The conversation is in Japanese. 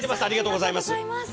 ありがとうございます。